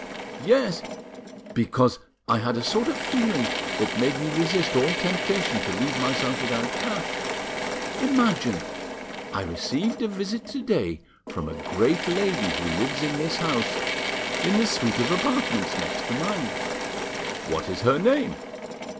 "Yes, because I had a sort of feeling that made me resist all temptation to leave myself without cash. Imagine! I received a visit to day from a great lady who lives in this house—in the suite of apartments next to mine." "What is her name?"